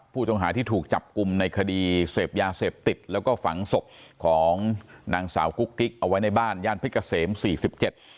ผู้ต้องหาที่ถูกจับกลุ่มในคดีเสพยาเสพติดแล้วก็ฝังศพของนางสาวกุ๊กกิ๊กเอาไว้ในบ้านย่านเพชรเกษมสี่สิบเจ็ด